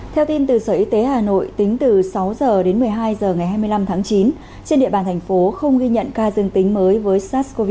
theo tin từ sở y tế hà nội tính từ sáu h đến một mươi hai h ngày hai mươi năm tháng chín trên địa bàn thành phố không ghi nhận ca dương tính với sars cov hai